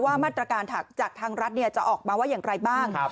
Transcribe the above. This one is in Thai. ว่ามาตรการจากทางรัฐจะออกมาว่าอย่างไรบ้าง